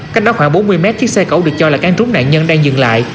cách đó khoảng bốn mươi m chiếc xe cẩu được cho là kháng trúng nạn nhân đang dừng lại